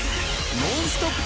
ノンストップ！